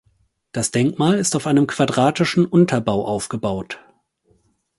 Das Denkmal ist auf einem quadratischen Unterbau aufgebaut.